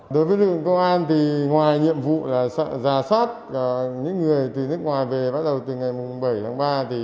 đối với lực lượng công an thì ngoài nhiệm vụ là sợ giả soát những người từ nước ngoài về bắt đầu từ ngày bảy tháng ba